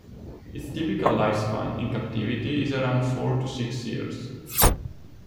Its typical lifespan in captivity is around four to six years.